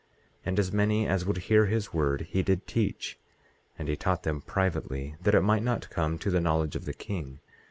18:3 And as many as would hear his word he did teach. And he taught them privately, that it might not come to the knowledge of the king.